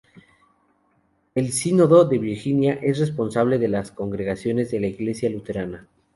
El sínodo de Virginia es responsable de las congregaciones de la Iglesia Luterana.